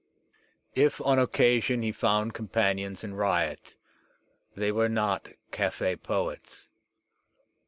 If on occasion he foubd companions in riot, they were not caf6 poets.